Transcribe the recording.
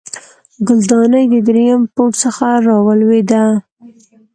ګلدانۍ د دریم پوړ څخه راولوېده